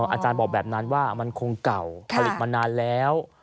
อาจารย์บอกแบบนั้นว่ามันคงเก่าผลิตมานานแล้ว